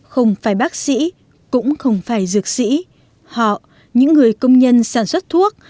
không phải bác sĩ cũng không phải dược sĩ họ những người công nhân sản xuất thuốc